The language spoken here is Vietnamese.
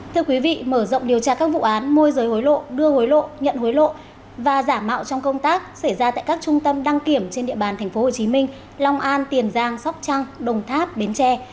thưa quý vị mở rộng điều tra các vụ án môi giới hối lộ đưa hối lộ nhận hối lộ và giả mạo trong công tác xảy ra tại các trung tâm đăng kiểm trên địa bàn tp hcm long an tiền giang sóc trăng đồng tháp bến tre